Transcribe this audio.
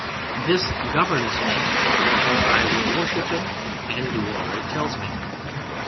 "This governs me; therefore I will worship it and do all it tells me."